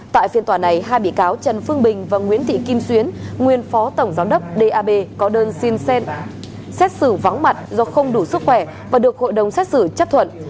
tại phiên tòa này hai bị cáo trần phương bình và nguyễn thị kim xuyến nguyên phó tổng giám đốc dap có đơn xin xét xử vắng mặt do không đủ sức khỏe và được hội đồng xét xử chấp thuận